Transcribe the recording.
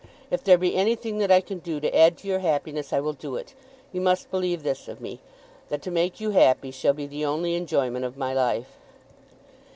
If there be anything that I can do to add to your happiness, I will do it. You must believe this of me, that to make you happy shall be the only enjoyment of my life."